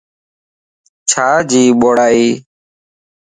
ڇي جي ٻوڙائي؟